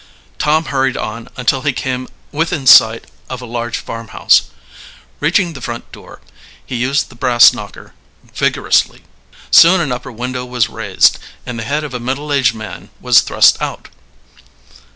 Tom hurried on until he came within sight of a large farmhouse. Reaching the front door, he used the brass knocker vigorously. Soon an upper window was raised, and the head of a middle aged man was thrust out.